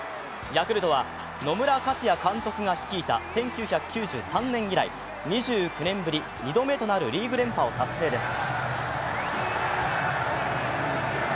ヤクルトは野村克也監督が率いた１９９３年以来、２９年ぶり２度目となるリーグ連覇を達成です。